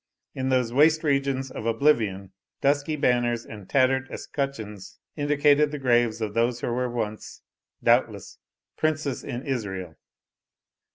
In those waste regions of oblivion, dusky banners and tattered escutcheons indicated the graves of those who were once, doubtless, "princes in Israel."